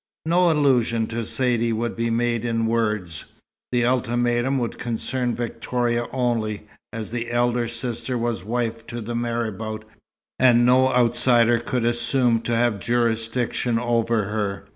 No allusion to Saidee would be made in words. The "ultimatum" would concern Victoria only, as the elder sister was wife to the marabout, and no outsider could assume to have jurisdiction over her.